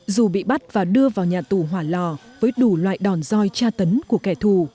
dù bị bắt và đưa vào nhà tù hỏa lò với đủ loại đòn roi tra tấn của kẻ thù